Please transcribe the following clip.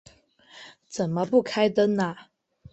怎么不开灯啊